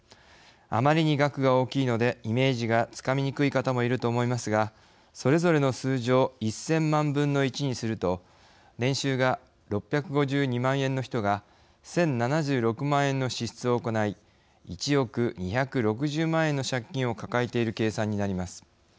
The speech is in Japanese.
あまりに額が大きいのでイメージがつかみにくい方もいると思いますがそれぞれの数字を１０００万分の１にすると年収が６５２万円の人が１０７６万円の支出を行い１億２６０万円の借金を抱えている計算になります。